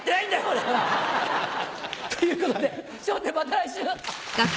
俺は！ということで『笑点』また来週！